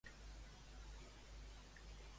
Quin és el cost real de la monarquia espanyola?